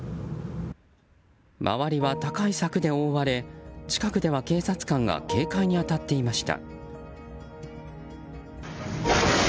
周りは高い柵で覆われ近くでは警察官が警戒に当たっていました。